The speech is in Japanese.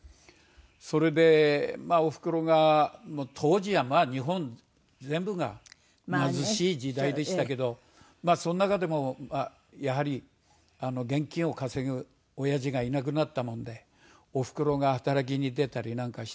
それでまあおふくろが当時はまあ日本全部が貧しい時代でしたけどその中でもやはり現金を稼ぐおやじがいなくなったもんでおふくろが働きに出たりなんかしてね。